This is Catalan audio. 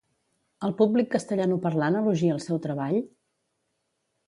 El públic castellanoparlant elogia el seu treball?